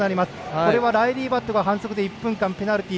これはライリー・バットが反則で１分間ペナルティー。